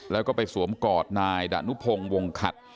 แล้วก็ไปสวมกอดนายดานุพงศ์วงขัด